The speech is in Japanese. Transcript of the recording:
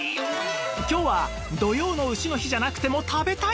今日は土用の丑の日じゃなくでも食べたい！